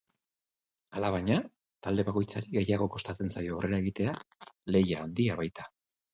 Alabaina, talde bakoitzari gehiago kostatzen zaio aurrera egitea, lehia handia baita.